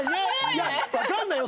いやわかんないよ。